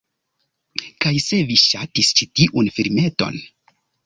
Kaj se vi ŝatis ĉi tiun filmeton